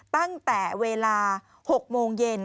ตั้งแต่เวลา๖โมงเย็น